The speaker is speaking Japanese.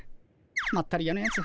まったり屋のやつ